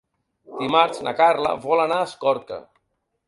Dimarts na Carla vol anar a Escorca.